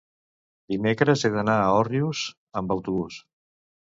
dimecres he d'anar a Òrrius amb autobús.